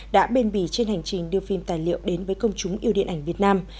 đã bên bì trên hành trình đưa phim tài liệu đến với công chúng yêu điện ảnh việt nam